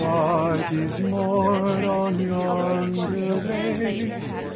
My bark is moored on yonder lake.